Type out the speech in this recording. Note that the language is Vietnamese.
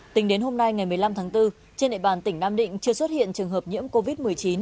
tính đến hôm nay ngày một mươi năm tháng bốn trên địa bàn tỉnh nam định chưa xuất hiện trường hợp nhiễm covid một mươi chín